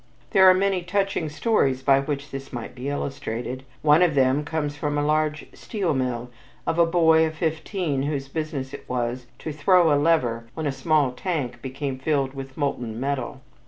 There are many touching stories by which this might be illustrated. One of them comes from a large steel mill of a boy of fifteen whose business it was to throw a lever when a small tank became filled with molton metal.